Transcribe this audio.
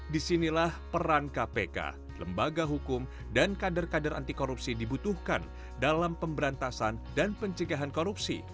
disinilah peran kpk lembaga hukum dan kader kader anti korupsi dibutuhkan dalam pemberantasan dan pencegahan korupsi